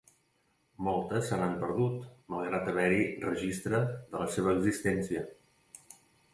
Moltes se n'han perdut, malgrat haver-hi registre de la seva existència.